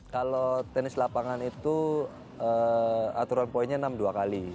kalau tenis lapangan itu aturan poinnya enam dua kali